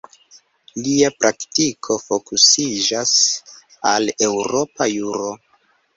Lia praktiko fokusiĝas al eŭropa juro.